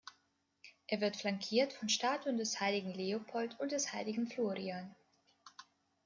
Er wird flankiert von Statuen des heiligen Leopold und des heiligen Florian.